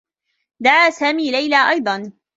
دعى سامي ليلى أيضا.